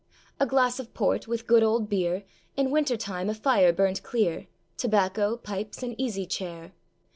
A glass of port, with good old beer, In winter time a fire burnt clear, Tobacco, pipes, an easy chair.